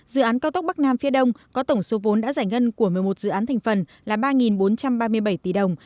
dự án cao tốc bắc nam phía đông có tổng số vốn đã giải ngân của một mươi một dự án thành phần là ba bốn trăm ba mươi bảy tỷ đồng